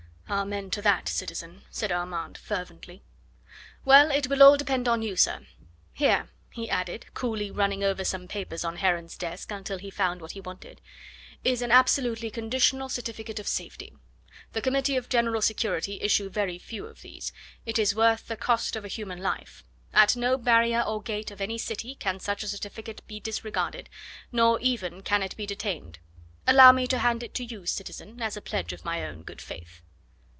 "Amen to that, citizen," said Armand fervently. "Well, it will all depend on you, sir! Here," he added, coolly running over some papers on Heron's desk until he found what he wanted, "is an absolutely unconditional certificate of safety. The Committee of General Security issue very few of these. It is worth the cost of a human life. At no barrier or gate of any city can such a certificate be disregarded, nor even can it be detained. Allow me to hand it to you, citizen, as a pledge of my own good faith."